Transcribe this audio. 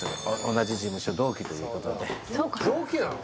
同じ事務所同期ということで同期なの？